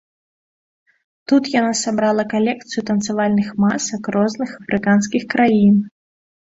Тут яна сабрала калекцыю танцавальных масак розных афрыканскіх краін.